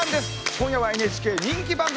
今夜はＮＨＫ人気番組大集合